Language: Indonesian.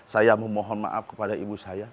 saya memohon maaf kepada ibu saya